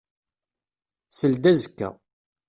Seld azekka.